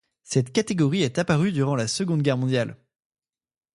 Cette catégorie est apparue durant la Seconde Guerre mondiale.